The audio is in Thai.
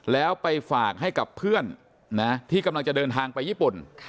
แล้วไปฝากให้กับเพื่อนที่กำลังจะเดินทางไปญี่ปุ่น